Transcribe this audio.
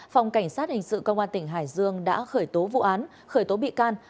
phòng cảnh sát hình sự công an tỉnh hải dương đã khởi tố vụ án khởi tố bị can